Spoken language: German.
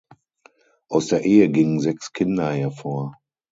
Aus der Ehe gingen sechs Kinder hervor.